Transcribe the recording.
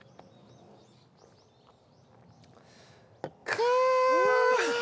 かあ！